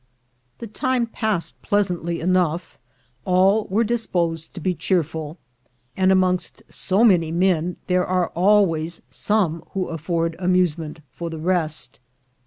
The time passed pleasantly enough; all were dis posed to be cheerful, and amongst so many men there are always some who afford amusement for the rest.